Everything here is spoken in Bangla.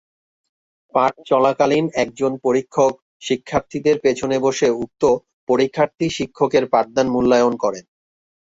পাঠ চলাকালীন একজন পরীক্ষক শিক্ষার্থীদের পিছনে বসে উক্ত পরীক্ষার্থী-শিক্ষকের পাঠদান মূল্যায়ন করেন।